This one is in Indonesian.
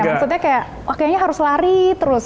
maksudnya kayak kayaknya harus lari terus